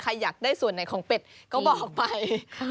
อยากได้ส่วนไหนของเป็ดก็บอกไป